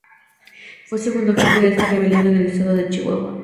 Fue segundo jefe de esta rebelión en el estado de Chihuahua.